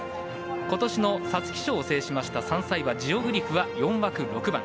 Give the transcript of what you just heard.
今年の皐月賞を制しましたジオグリフは４枠６番。